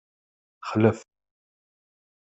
Xlef.